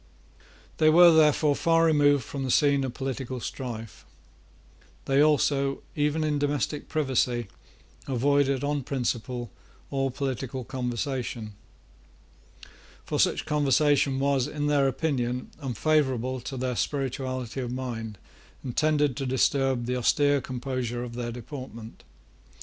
They were, therefore, far removed from the scene of political strife. They also, even in domestic privacy, avoided on principle all political conversation. For such conversation was, in their opinion, unfavourable to their spirituality of mind, and tended to disturb the austere composure of their deportment.